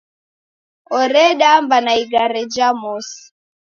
Oredamba na igare ja mosi.